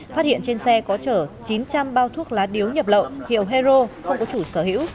phát hiện trên xe có chở chín trăm linh bao thuốc lá điếu nhập lậu hiệu hero không có chủ sở hữu